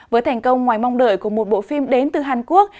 với thành công ngoài mong đợi của một bộ phim đến từ hàn quốc